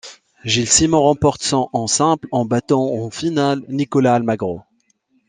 Gilles Simon remporte son en simple en battant en finale Nicolás Almagro.